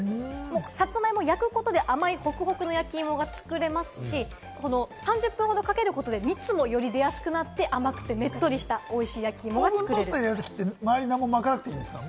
さつまいもを焼くことで甘いホクホクの焼き芋が作れますし、この３０分ほどかけることで蜜もより出やすくなって甘くてねっとりした美味しい焼き芋が作れ何も巻かなくていいんですか？